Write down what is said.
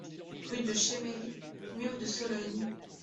Rue de Chémery, Mur-de-Sologne